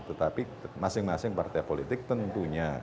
tetapi masing masing partai politik tentunya